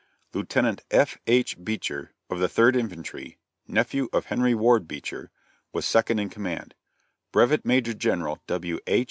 Lieutenant F.H. Beecher, of the Third Infantry, nephew of Henry Ward Beecher, was second in command; Brevet Major General W.H.